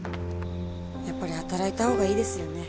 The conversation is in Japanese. やっぱり働いた方がいいですよね。